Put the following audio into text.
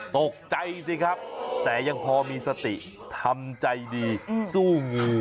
ตกใจสิครับแต่ยังพอมีสติทำใจดีสู้งู